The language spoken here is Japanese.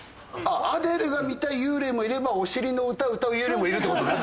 アデルが見たい幽霊もいればお尻の歌歌う幽霊もいるってことね。